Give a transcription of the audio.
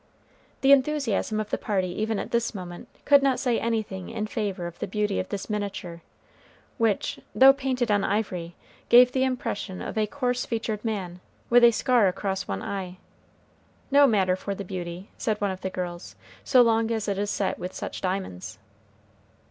The enthusiasm of the party even at this moment could not say anything in favor of the beauty of this miniature, which, though painted on ivory, gave the impression of a coarse featured man, with a scar across one eye. "No matter for the beauty," said one of the girls, "so long as it is set with such diamonds."